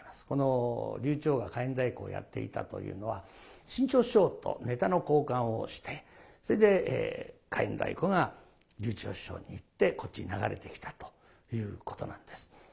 この柳朝が「火焔太鼓」をやっていたというのは志ん朝師匠とネタの交換をしてそれで「火焔太鼓」が柳朝師匠にいってこっちに流れてきたということなんです。